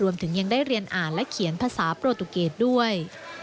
ยังได้เรียนอ่านและเขียนภาษาโปรตุเกตด้วย